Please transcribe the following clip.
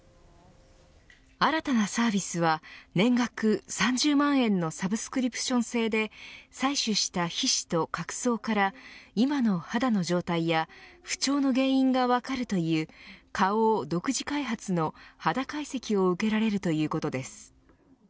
新たなサービスは年額３０万円のサブスクリプション制で採取した皮脂と角層から今の肌の状態や不調の原因が分かるという花王独自開発の肌解析を受けられるということです。